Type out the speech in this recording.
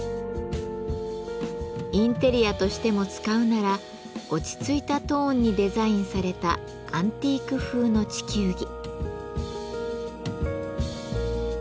インテリアとしても使うなら落ち着いたトーンにデザインされたアンティーク風の地球儀。